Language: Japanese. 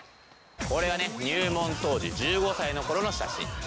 これはね入門当時１５歳の頃の写真です。